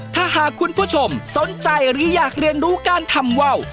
ถ้าหากคุณผู้ชมสนใจหรืออยากเรียนรู้การทำว่าว